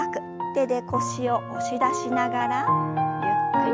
手で腰を押し出しながらゆっくりと後ろ。